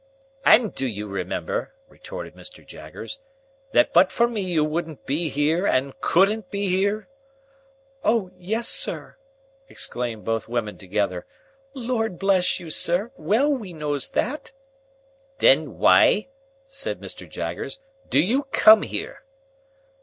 "And do you remember," retorted Mr. Jaggers, "that but for me you wouldn't be here and couldn't be here?" "O yes, sir!" exclaimed both women together. "Lord bless you, sir, well we knows that!" "Then why," said Mr. Jaggers, "do you come here?"